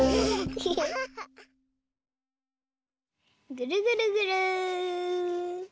ぐるぐるぐる。